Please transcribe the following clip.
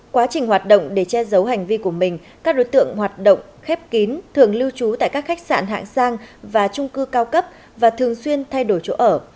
quá trình hoạt động để che giấu hành vi của mình các đối tượng hoạt động khép kín thường lưu trú tại các khách sạn hạng sang và trung cư cao cấp và thường xuyên thay đổi chỗ ở